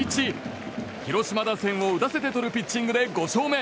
広島打線を打たせてとるピッチングで５勝目。